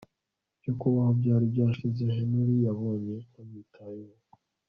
byo kubaho byari byashize Henry yabonye ntamwitayeho